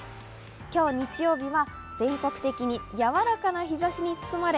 今日、日曜日は全国的にやわらかな日ざしに包まれ、